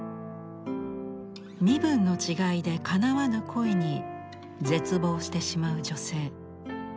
身分の違いでかなわぬ恋に絶望してしまう女性。